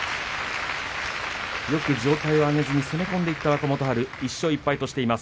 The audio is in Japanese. よく上体を上げずに攻め込んでいった若元春１勝１敗としています。